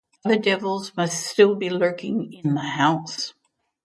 Other devils must still be lurking in the house.